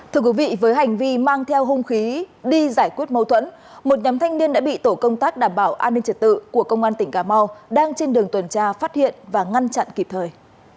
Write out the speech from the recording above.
thưa quý vị với hành vi mang theo hung khí đi giải quyết mâu thuẫn một nhóm thanh niên đã bị tổ công tác đảm bảo an ninh trật tự của công an tỉnh cà mau đang trên đường tuần tra phát hiện và ngăn chặn kịp thời